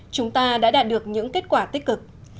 chúng ta đã đạt được những kết quả tích cực